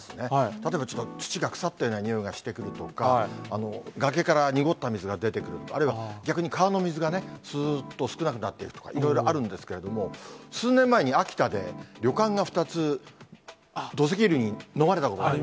例えば土が腐ったような臭いがしてくるとか、崖から濁った水が出てくる、あるいは逆に川の水がすーっと少なくなっていくとか、いろいろあるんですけれども、数年前に秋田で旅館が２つ、土石流に飲まれたことがある。